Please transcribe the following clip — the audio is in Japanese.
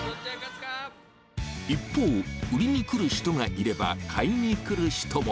一方、売りに来る人がいれば買いに来る人も。